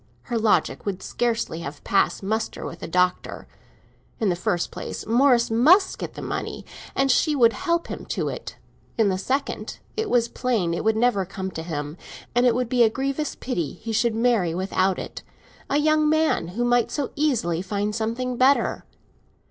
Her logic would scarcely have passed muster with the Doctor. In the first place, Morris must get the money, and she would help him to it. In the second, it was plain it would never come to him, and it would be a grievous pity he should marry without it—a young man who might so easily find something better.